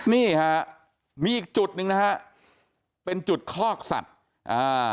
นี่ฮะมีอีกจุดหนึ่งนะฮะเป็นจุดคอกสัตว์อ่า